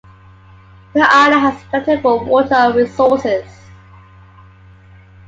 The island has plentiful water resources.